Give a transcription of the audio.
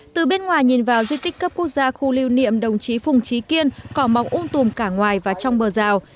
từ bên ngoài nhìn vào di tích cấp quốc gia khu lưu niệm đồng chí phùng trí kiên có mỏng ung tùm cả ngoài và trong bờ rào